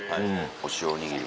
お塩おにぎり。